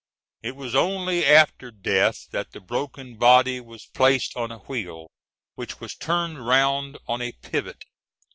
It was only after death that the broken body was placed on a wheel, which was turned round on a pivot.